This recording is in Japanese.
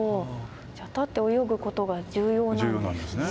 じゃあ立って泳ぐことが重要なんですね。